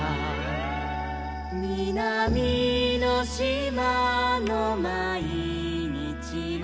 「みなみのしまのまいにちは」